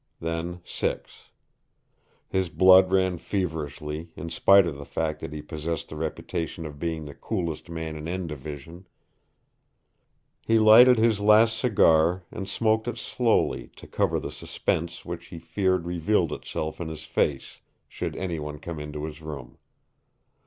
Then six. His blood ran feverishly, in spite of the fact that he possessed the reputation of being the coolest man in N Division. He lighted his last cigar and smoked it slowly to cover the suspense which he feared revealed itself in his face, should any one come into his room.